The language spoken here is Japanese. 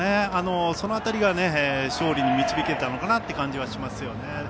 その辺りが勝利に導けたのかなという感じがしますよね。